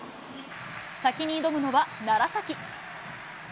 先に挑むのは楢崎。